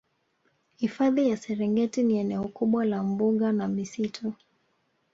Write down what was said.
Hifadhi ya Serengeti ni eneo kubwa la mbuga na misitu